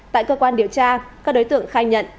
tại cơ quan điều tra các đối tượng khai nhận